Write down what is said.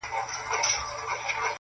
سهار زه ومه بدنام او دی نېکنامه,